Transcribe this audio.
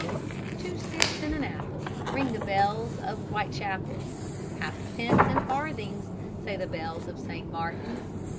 "Two sticks in an apple," Ring the bells of Whitechapel. "Halfpence and farthings," Say the bells of St. Martin's.